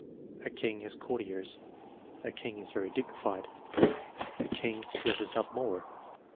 "A king has courtiers." "A king is very dignified." "A king dresses up more."